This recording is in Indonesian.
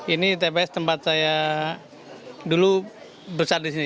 ini tps tempat saya dulu besar di sini